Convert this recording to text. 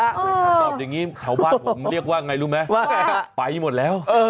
ถ้าตอบอย่างนี้ชาวบ้านผมเรียกว่าอย่างไรรู้ไหมไปหมดแล้ว